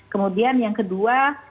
kemudian yang kedua